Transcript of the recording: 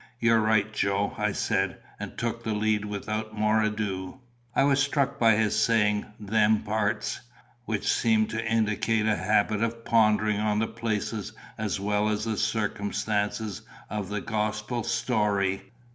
"You're right, Joe," I said, and took the lead without more ado. I was struck by his saying them parts, which seemed to indicate a habit of pondering on the places as well as circumstances of the gospel story.